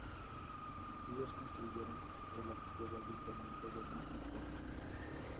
Ellos construyeron el actual ayuntamiento del mismo pueblo.